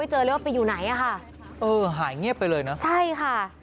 ไม่เจอเหลืออยู่ไหนอ่ะค่ะเออกลายงเนี้ยไปเลยนะใช่ค่ะ